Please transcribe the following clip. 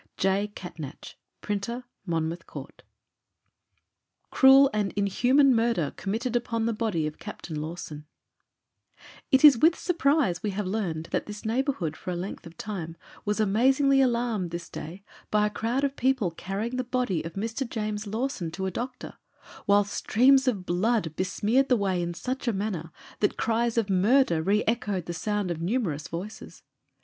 J. Catnach, Printer, Monmouth Court. CRUEL AND INHUMAN MURDER Committed upon the body of Captain Lawson. It is with surprise we have learned that this neighbourhood for a length of time, was amazingly alarmed this day, by a crowd of people carrying the body of Mr James Lawson to a doctor, while streams of blood besmeared the way in such a manner, that cries of murder re echoed the sound of numerous voices.